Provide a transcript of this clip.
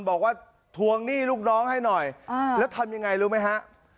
บอกว่าทวงหนี้ลูกน้องให้หน่อยแล้วทำยังไงรู้ไหมฮะ